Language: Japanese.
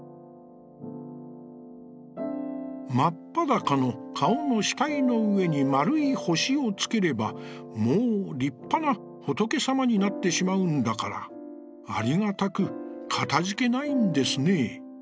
「マッパダカの顔の額の上に丸い星をつければ、もう立派な仏様になって仕舞うんだから、ありがたく、忝いんですね。